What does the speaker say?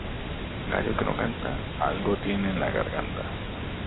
Gallo que no canta, algo tiene en la garganta.